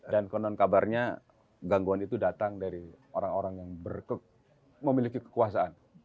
dan konon kabarnya gangguan itu datang dari orang orang yang memiliki kekuasaan